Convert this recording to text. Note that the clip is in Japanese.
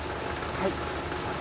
はい。